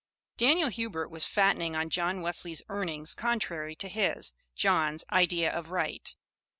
Daniel Hubert was fattening on John Wesley's earnings contrary to his, John's, idea of right.